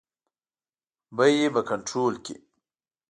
بیې به کنټرول کړي.